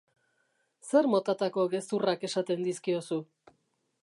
Zer motatako gezurrak esaten dizkiozu?